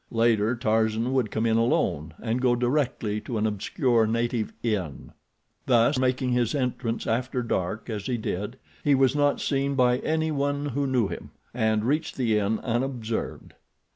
Later Tarzan would come in alone, and go directly to an obscure native inn. Thus, making his entrance after dark, as he did, he was not seen by any one who knew him, and reached the inn unobserved.